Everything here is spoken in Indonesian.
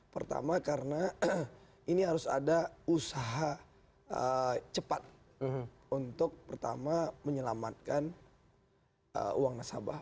pertama karena ini harus ada usaha cepat untuk pertama menyelamatkan uang nasabah